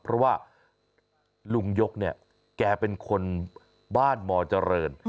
เพราะว่าลุงยกเนี่ยแกเป็นคนบ้านมเจริญ